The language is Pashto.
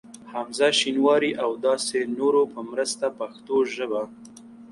حمزه شینواري ا و داسی نورو په مرسته پښتو ژبه